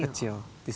kecil di situ